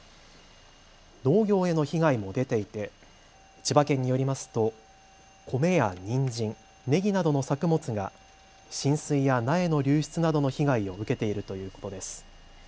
農業への被害も出ていて千葉県によりますと米やにんじん、ねぎなどの作物が浸水や苗の流出などの被害を受けているということです。